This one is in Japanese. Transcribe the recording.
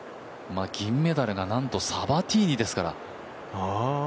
銀メダルがなんとサバティーニですから。